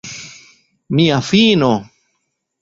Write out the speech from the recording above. Mia fino!